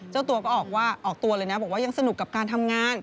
เจ้าตัวก็ออกตัวเลยนะบอกว่ายังสนุกกับการทำงาน